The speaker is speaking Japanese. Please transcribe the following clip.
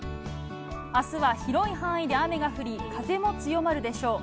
あすは広い範囲で雨が降り、風も強まるでしょう。